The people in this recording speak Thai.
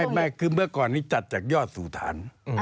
ไม่คือเมื่อก่อนนี้จัดจากยอดสู่ฐาน